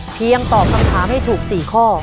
เพียงตอบคำถามให้ถูก๔ข้อ